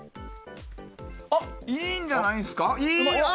あ、いいんじゃないんですか。